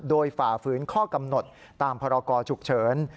โดยฝ่าฝืนข้อกำหนดตามพรกรฉุกเฉิน